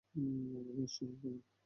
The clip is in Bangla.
নতুন স্টেশন কেমন?